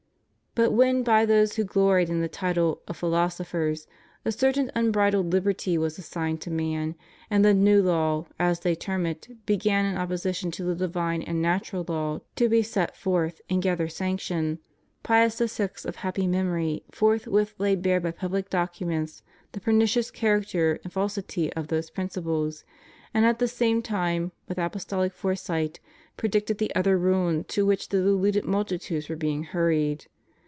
But when by those who gloried in the title of "philosophers" a certain unbridled liberty was assigned to man, and the "new law," as they term it, began in opposition to the divine and natural law to be set forth and gather sanction, Pius VI, of happy memory forth with laid bare by public documents the pernicious char acter and falsity of those principles, and at the same time, with apostolic foresight, predicted the utter ruin to which the deluded multitudes were being hurried.